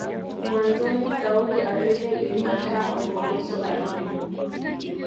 Mwanzoni Saudi Arabia ilikataa kumruhusu arudi